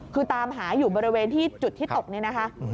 คือตามหาอยู่บริเวณที่จุดที่ตกนี้นะคะ